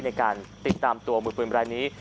ในการติดตามตัวมือปืนรายนี้